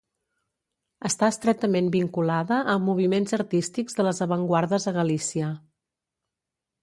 Està estretament vinculada a moviments artístics de les avantguardes a Galícia.